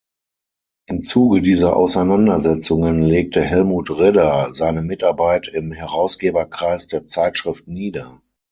Im Zuge dieser Auseinandersetzungen legte Helmut Ridder seine Mitarbeit im Herausgeberkreis der Zeitschrift nieder.